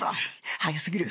早すぎる